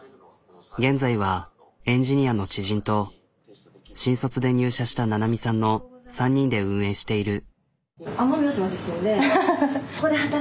現在はエンジニアの知人と新卒で入社した七海さんの３人で運営している。